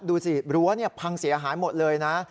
ดูสิรั้วพังเสียหายหมดเลยนะ